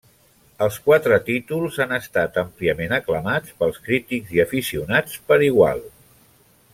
Els quatre títols han estat àmpliament aclamats pels crítics i aficionats per igual.